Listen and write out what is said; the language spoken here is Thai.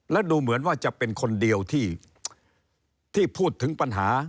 แล้วดูเหมือนว่าจะเป็นคนเดียวที่พูดถึงปัญหา